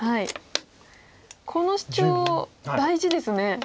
このシチョウ大事ですね。